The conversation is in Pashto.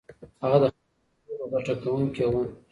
هغه د خپل وخت تر ټولو ګټه کوونکې وه.